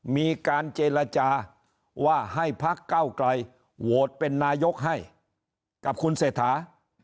มีการเจรจาว่าให้พักเก้าไกลโหวตเป็นนายกให้กับคุณเศรษฐา